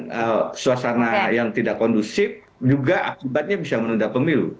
dengan suasana yang tidak kondusif juga akibatnya bisa menunda pemilu